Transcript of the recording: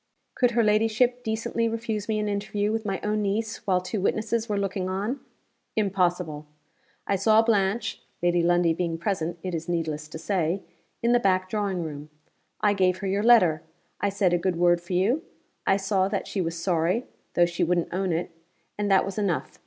Could her ladyship decently refuse me an interview with my own niece, while two witnesses were looking on? Impossible. I saw Blanche (Lady Lundie being present, it is needless to say) in the back drawing room. I gave her your letter; I said a good word for you; I saw that she was sorry, though she wouldn't own it and that was enough.